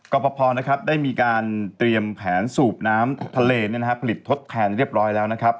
ก็พอนะครับได้มีการเตรียมแผนสูบน้ำทะเลผลิตทดแทนเรียบร้อยแล้วนะครับ